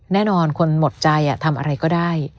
แน่นอนคนหมดใจทำอะไรก็ได้